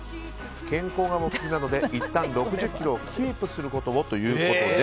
健康が目的なのでいったん６０ｋｇをキープすることをということで。